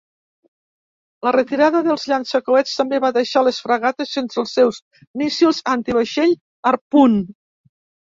La retirada dels llançacoets també va deixar les fragates sense els seus míssils antivaixell Harpoon.